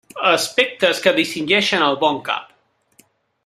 Aspectes que distingeixen el bon cap.